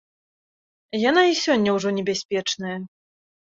Яна і сёння ўжо небяспечная.